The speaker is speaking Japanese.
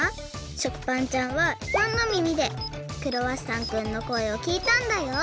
食パンちゃんはパンのみみでクロワッサンくんのこえをきいたんだよ。